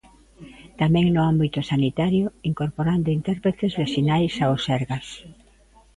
Tamén no ámbito sanitario, incorporando intérpretes de sinais ao Sergas.